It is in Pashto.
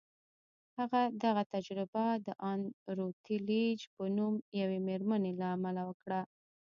هغه دغه تجربه د ان روتليج په نوم يوې مېرمنې له امله وکړه.